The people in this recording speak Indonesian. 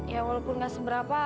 ya walaupun gak seberapa